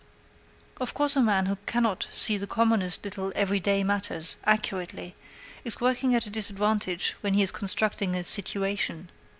Of course a man who cannot see the commonest little every day matters accurately is working at a disadvantage when he is constructing a "situation."